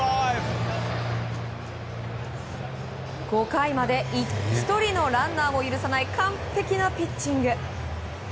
５回まで１人のランナーも許さない完璧なピッチング。